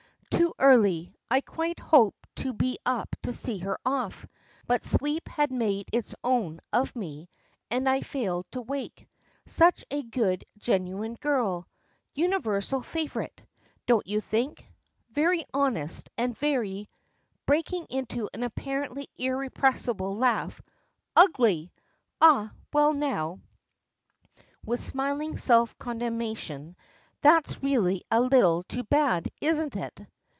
"Too early. I quite hoped to be up to see her off, but sleep had made its own of me and I failed to wake. Such a good, genuine girl! Universal favorite, don't you think? Very honest, and very," breaking into an apparently irrepressible laugh, "ugly! Ah! well now," with smiling self condemnation, "that's really a little too bad; isn't it?"